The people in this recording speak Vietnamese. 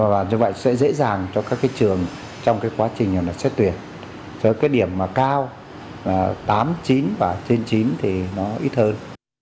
và như vậy sẽ dễ dàng cho các cái trường trong cái quá trình xét tuyển cho cái điểm mà cao tám chín và trên chín thì nó ít hơn